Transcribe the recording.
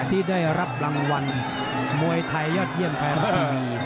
ที่ได้รับรางวัลมวยไทยยอดเยี่ยมไทยรัฐทีวี